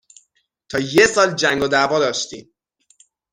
تا یه سال جنگ و دعوا داشتیم